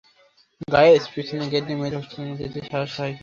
Guys, পিছনের gate দিয়ে মেয়েদের হোস্টেলে যেতে সাহস হয় কী করে?